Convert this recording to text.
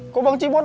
gua don't like you